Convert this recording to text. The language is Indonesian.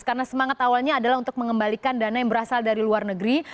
karena semangat awalnya adalah untuk mengembalikan dana yang berasal dari luar negeri